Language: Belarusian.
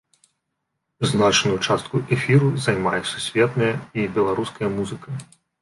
Значную частку эфіру займае сусветная і беларуская музыка.